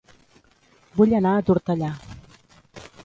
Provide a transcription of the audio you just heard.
Vull anar a Tortellà